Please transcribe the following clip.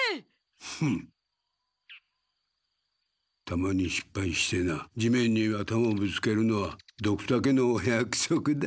たまにしっぱいしてな地面に頭をぶつけるのはドクタケのおやくそくだ。